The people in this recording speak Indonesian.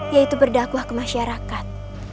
yaitu berdakwah ke masyarakat